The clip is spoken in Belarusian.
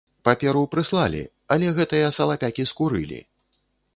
Паперу прыслалі, але гэтыя салапякі скурылі.